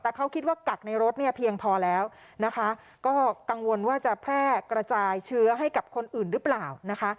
แต่เขาคิดว่ากักในรถเนี่ยเพียงพอแล้วนะคะก็กังวลว่าจะแพร่กระจายเชื้อให้กับคนอื่นหรือเปล่านะคะ